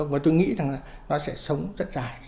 và tôi nghĩ rằng nó sẽ sống rất dài